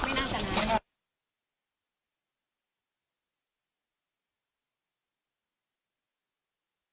ใจเย็นใจเย็น